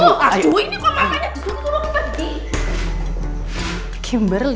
aduh ini kok mamanya disuruh suruh pergi